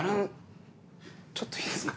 ちょっといいですか？